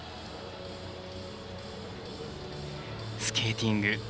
スケーティング